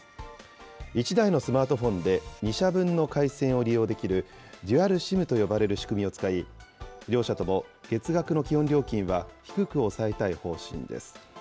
１台のスマートフォンで２社分の回線を利用できるデュアルＳＩＭと呼ばれる仕組みを使い、両社とも、月額の基本料金は低く抑えたい方針です。